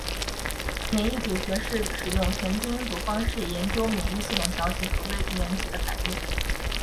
免疫组学是使用全基因组方法研究免疫系统调节和对病原体的反应。